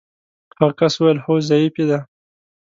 هغه کس وویل: هو ضعیفې دي.